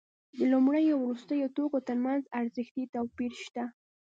د لومړنیو او وروستیو توکو ترمنځ ارزښتي توپیر شته